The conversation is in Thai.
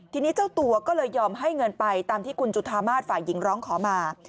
ทีนี้เจ้าตัวก็เลยยอมให้เงินไปตามที่คุณจุธามาศฝ่ายหญิงร้องขอมา